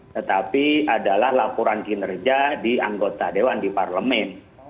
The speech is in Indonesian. tetapi adalah laporan kinerja di anggota dewan di parlemen